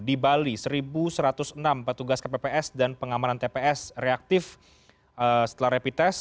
di bali satu satu ratus enam petugas kpps dan pengamanan tps reaktif setelah rapid test